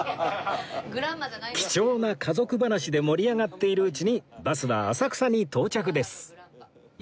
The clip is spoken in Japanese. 貴重な家族話で盛り上がっているうちにバスは浅草に到着です